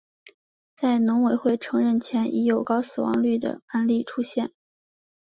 在农委会承认前已有高死亡率的案例出现。